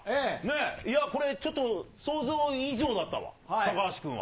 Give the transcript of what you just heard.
いや、これ、ちょっと想像以上だったわ、高橋君は。